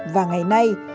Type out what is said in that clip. và ngày nay